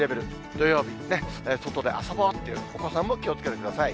土曜日、外で遊ぼうというお子さんも気をつけてください。